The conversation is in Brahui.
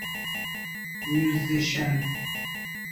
میوزیشن